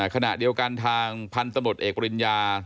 ขณะเดียวกันทางพันธุ์ตำรวจเอกปริญญา